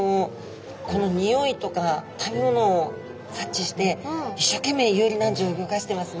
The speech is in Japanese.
この匂いとか食べ物を察知して一生懸命遊離軟条を動かしてますね。